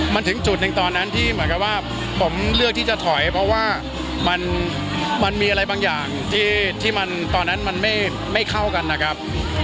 มันถึงจุดหนึ่งตอนนั้นที่เหมือนกับว่าผมเลือกที่จะถอยเพราะว่ามันมีอะไรบางอย่างที่มันตอนนั้นมันไม่เข้ากันนะครับ